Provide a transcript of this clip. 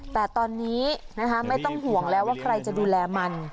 แต่ตอนนี้ไม่ต้องห่วงแล้วว่าใครจะดูแลมัน